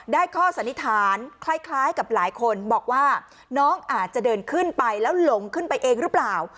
ข้อสันนิษฐานคล้ายกับหลายคนบอกว่าน้องอาจจะเดินขึ้นไปแล้วหลงขึ้นไปเองหรือเปล่า